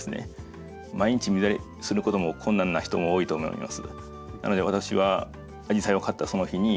毎日水やりすることも困難な人も多いと思います。